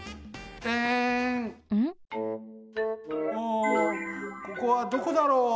あここはどこだろう？